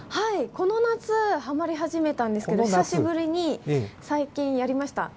この夏、ハマり始めたんですけれども久しぶりに最近やりました。